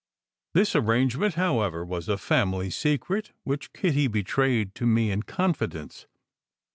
This arrange ment, however, was a family secret, which Kitty be trayed to me in confidence.